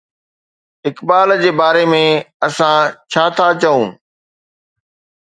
اقبال جي باري ۾ اسان ڇا ٿا چئون؟